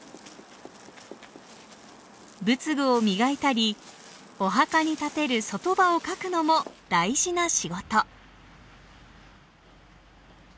仏具を磨いたりお墓に立てる卒塔婆を書くのも大事な仕事。